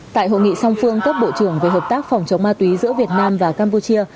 tại hội nghị song phương cấp bộ trưởng về hợp tác phòng chống ma túy giữa việt nam và campuchia